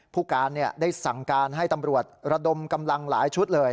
ผู้การได้สั่งการให้ตำรวจระดมกำลังหลายชุดเลย